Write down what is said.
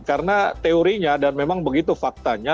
karena teorinya dan memang begitu faktanya